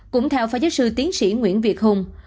cũng theo phó giáo sư tiến sĩ nguyễn việt hùng